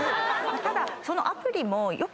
ただ。